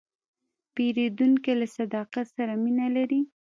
پیرودونکی له صداقت سره مینه لري.